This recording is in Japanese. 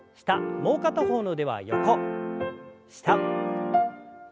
もう片方の腕は横下横。